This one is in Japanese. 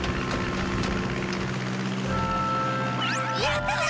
やっただ！